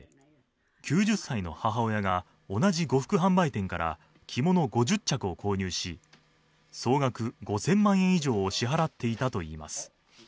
９０歳の母親が同じ呉服販売店から着物５０着を購入し、総額５０００万円以上を支払っていたといいます。